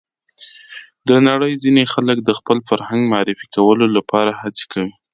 د نړۍ ځینې خلک د خپل فرهنګ معرفي کولو لپاره هڅه کوي.